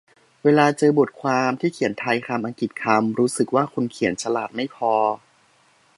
เวลาเจอบทความที่เขียนไทยคำอังกฤษคำ รู้สึกว่าคนเขียนฉลาดไม่พอ